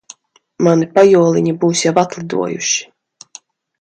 Mani pajoliņi būs jau atlidojuši.